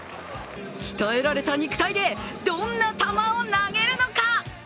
鍛えられた肉体でどんな球を投げるのか？